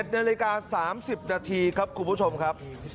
๑นาฬิกา๓๐นาทีครับคุณผู้ชมครับ